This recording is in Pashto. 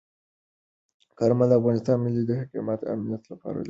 کارمل د افغانستان د ملي حاکمیت او امنیت لپاره دلیل ورکړ.